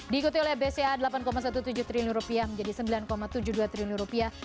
diikuti oleh bca delapan tujuh belas triliun rupiah menjadi sembilan tujuh puluh dua triliun rupiah